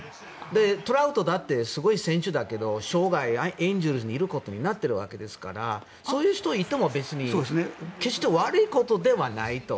トラウトだってすごい選手だけど生涯エンゼルスにいることになってるわけですからそういう人がいても別に決して悪いことではないと。